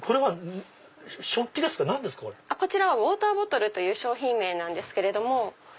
こちらはウォーターボトルという商品名なんですけれども。